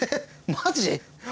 マジ？